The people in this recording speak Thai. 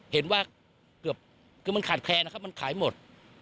เห็นว่าเกือบคือมันขาดแคลนนะครับมันขายหมด